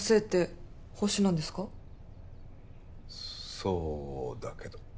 そうだけど。